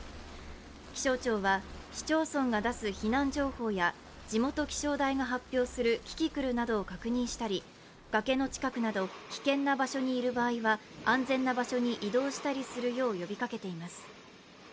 気象庁は市町村が出す避難情報や地元気象台が発表するキキクルなどを確認したり、崖の近くなど、危険な場所にいる場合は安全な場所に移動したりするよう呼びかけています。